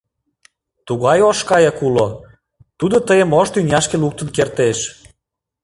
— Тугай ош кайык уло, тудо тыйым ош тӱняшке луктын кертеш.